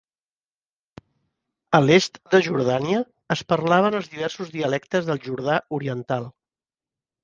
A l'est de Jordània es parlaven els diversos dialectes del jordà oriental.